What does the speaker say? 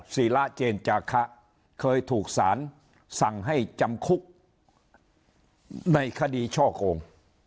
ศิระเจนจาคะเคยถูกสารสั่งให้จำคุกในคดีช่อโกง